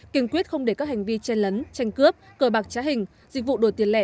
kiên quyết không để các hành vi chen lấn tranh cướp cờ bạc trá hình dịch vụ đổi tiền lẻ